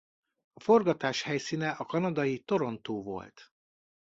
A forgatás helyszíne a kanadai Toronto volt.